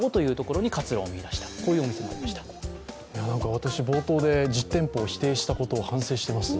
私、冒頭で実店舗を批判したことを反省しています。